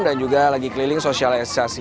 dan juga lagi keliling sosialisasi